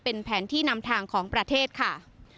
เป็นแผนที่นำทางของประเทศค่ะ